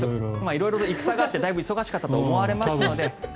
色々戦があってだいぶ忙しかったと思われますので。